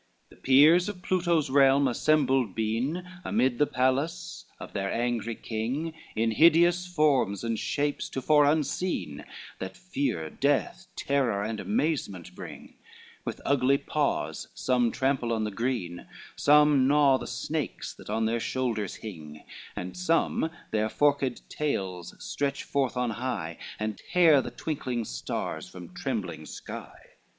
IV The peers of Pluto's realm assembled been Amid the palace of their angry King, In hideous forms and shapes, tofore unseen, That fear, death, terror and amazement bring, With ugly paws some trample on the green, Some gnaw the snakes that on their shoulders hing, And some their forked tails stretch forth on high, And tear the twinkling stars from trembling sky.